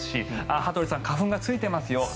羽鳥さん花粉がついていますよ。